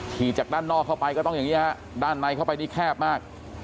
จากด้านนอกเข้าไปก็ต้องอย่างนี้ฮะด้านในเข้าไปนี่แคบมาก